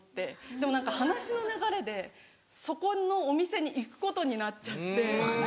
でも何か話の流れでそこのお店に行くことになっちゃって。